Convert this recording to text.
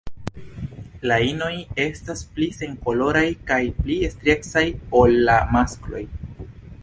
La inoj estas pli senkoloraj kaj pli striecaj ol la maskloj.